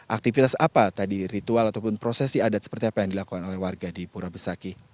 aktivitas apa tadi ritual ataupun prosesi adat seperti apa yang dilakukan oleh warga di pura besaki